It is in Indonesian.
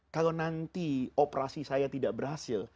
kalau nanti operasi saya tidak berhasil